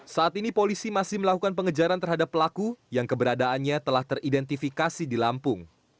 saat ini polisi masih melakukan pengejaran terhadap pelaku yang keberadaannya telah teridentifikasi di lampung